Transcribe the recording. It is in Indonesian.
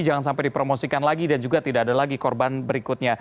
jangan sampai dipromosikan lagi dan juga tidak ada lagi korban berikutnya